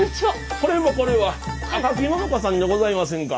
これはこれは赤木野々花さんじゃございませんか。